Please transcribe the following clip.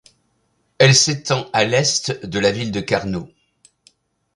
Elle s’étend à l’est de la ville de Carnot.